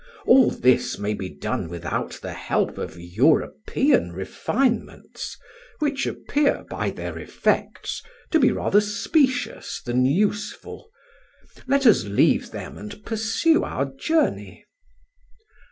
All this may be done without the help of European refinements, which appear by their effects to be rather specious than useful. Let us leave them and pursue our journey."